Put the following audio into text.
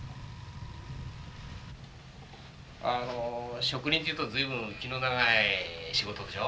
あの植林っていうと随分気の長い仕事でしょう？